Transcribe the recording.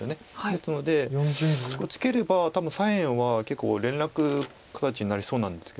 ですのでツケれば多分左辺は結構連絡形になりそうなんですけど。